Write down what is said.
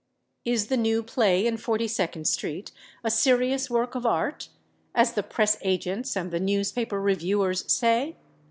Is the new play in Forty second Street a serious work of art, as the press agents and the newspaper reviewers say?